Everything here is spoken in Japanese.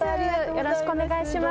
よろしくお願いします。